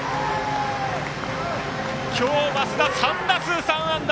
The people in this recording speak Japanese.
今日、増田、３打数３安打！